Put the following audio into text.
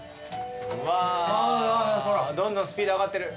うわどんどんスピード上がってる。